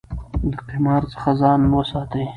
له قمار څخه ځان وساتئ.